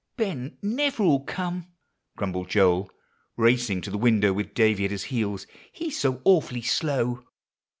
"Ben never'll come," grumbled Joel, racing to the window with Davie at his heels; "he's so awful slow."